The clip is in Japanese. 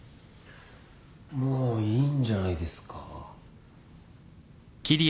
もういいんじゃないですか？